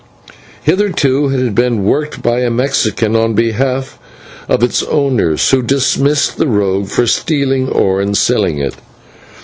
Hitherto it had been worked by a Mexican on behalf of its owners, who dismissed the rogue for stealing the ore and selling it.